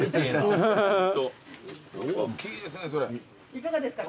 いかがですか？